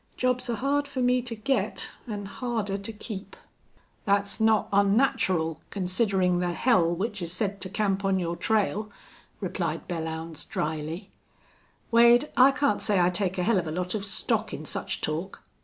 Jobs are hard for me to get an' harder to keep." "Thet's not onnatural, considerin' the hell which's said to camp on your trail," replied Belllounds, dryly. "Wade, I can't say I take a hell of a lot of stock in such talk.